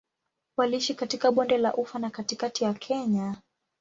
Waliishi katika Bonde la Ufa na katikati ya Kenya.